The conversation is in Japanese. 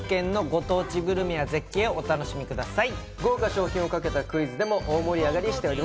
７つの都道府県のご当地グルメや、絶景を楽しみください！